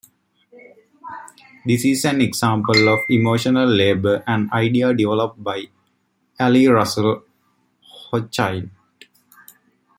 This is an example of emotional labor, an idea developed by Arlie Russell Hochschild.